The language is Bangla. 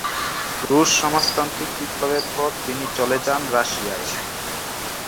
রুশ সমাজতান্ত্রিক বিপ্লবের পর তিনি চলে যান রাশিয়ায়।